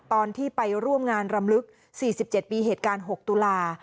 ตอนที่ไปร่วมงานรำลึก๔๗ปีเหตุการณ์๖ตุลา